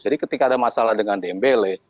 jadi ketika ada masalah dengan dembele